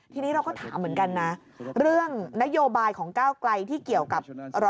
ทีนี้เราก็ถามเหมือนกันนะเรื่องนโยบายของก้าวไกลที่เกี่ยวกับ